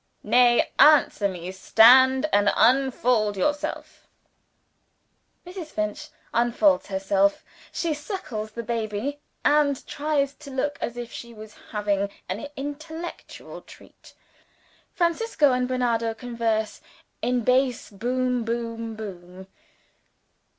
"Nay, answer me: stand, and unfold yourself." (Mrs. Finch unfolds herself she suckles the baby, and tries to look as if she was having an intellectual treat.) "Francisco and Bernardo converse in bass Boom boom boom.